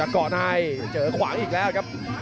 ก่อนให้เจอขวางอีกแล้วครับ